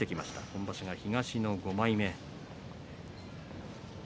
今場所は東の５枚目。